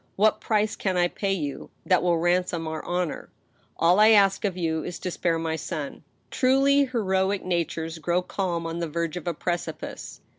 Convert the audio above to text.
What price can I pay you, that will ransom our honor .^ All I ask of you is to spare my son." Truly heroic natures grow calm on the verge of a precipice.